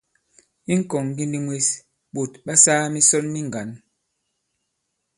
I ŋ̀kɔ̀ŋŋgindi mwes, ɓòt ɓa sāā misɔn mi ŋgǎn.